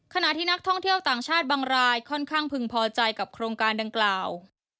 ขณะที่นักท่องเที่ยวต่างชาติบางรายค่อนข้างพึงพอใจกับโครงการดังกล่าว